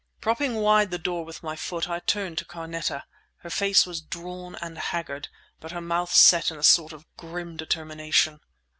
Propping wide the door with my foot, I turned to Carneta. Her face was drawn and haggard; but her mouth set in a sort of grim determination.